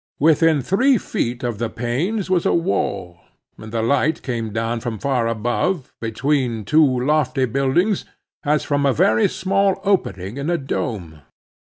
Within three feet of the panes was a wall, and the light came down from far above, between two lofty buildings, as from a very small opening in a dome.